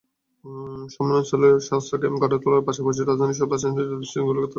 সম্মেলনস্থলে স্বাস্থ্য ক্যাম্প গড়ে তোলার পাশাপাশি রাজধানীর বাসস্ট্যান্ড, রেলস্টেশনগুলোতেও থাকছে স্বাস্থ্য ক্যাম্প।